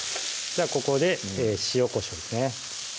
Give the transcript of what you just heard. ここで塩・こしょうですね